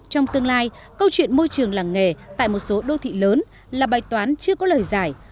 trong tương lai câu chuyện môi trường làng nghề tại một số đô thị lớn là bài toán chưa có lời giải